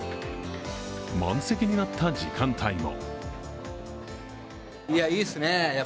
満席になった時間帯も。